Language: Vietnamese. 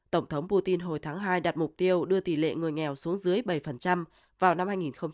tổng thống putin hồi tháng hai đặt mục tiêu đưa tỷ lệ người nghèo xuống dưới bảy vào năm hai nghìn hai mươi